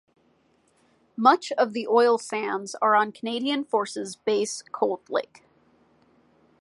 Much of the oil sands are on Canadian Forces Base Cold Lake.